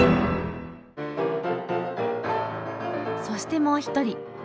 そしてもう一人。